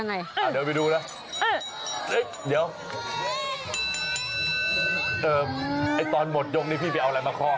ไอตอนหมดยกนี้พี่ไปเอาอะไรมาครอง